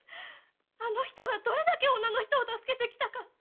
あの人がどれだけ女の人を助けてきたか。